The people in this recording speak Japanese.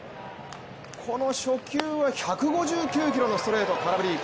この初球は１５９キロのストレート空振り。